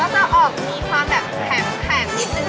อ๋อแล้วจะออกมีความแบบแข็งนิดนึง